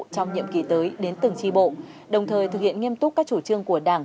trong nhiệm kỳ tới từng tri bộ đồng thời thực hiện nghiêm túc các chủ trương của đảng